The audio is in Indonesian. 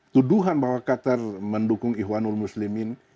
tuduhan bahwa qatar mendukung ihwanul muslimin